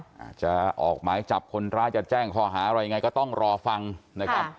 อาจจะออกหมายจับคนร้ายจะแจ้งข้อหาอะไรยังไงก็ต้องรอฟังนะครับ